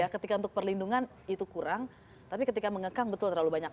ketika untuk perlindungan itu kurang tapi ketika mengekang betul terlalu banyak